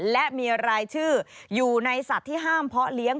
และมีรายชื่ออยู่ในสัตว์ที่ห้ามเพาะเลี้ยง